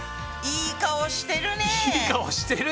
いい顔してる！